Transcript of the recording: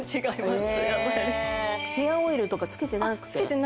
ヘアオイルとかつけてなくて？